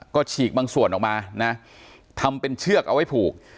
ก็ฉีกบางส่วนออกมานะทำเป็นเชือกเอาไว้ผูก